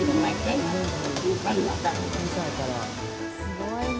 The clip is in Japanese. すごいね。